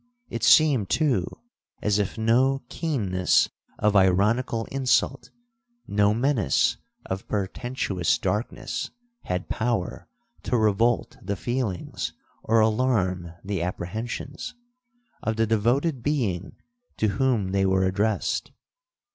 It seemed, too, as if no keenness of ironical insult, no menace of portentous darkness, had power to revolt the feelings, or alarm the apprehensions, of the devoted being to whom they were addressed.